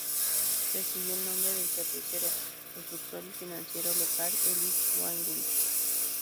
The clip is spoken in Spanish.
Recibió el nombre del cervecero, constructor y financiero local Ellis Wainwright.